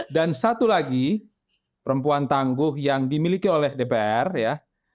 dan satu lagi perempuan tangguh yang dimiliki oleh dpr ya